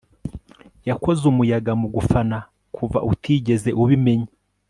Yakoze umuyaga mugufana kuva utigeze ubimenya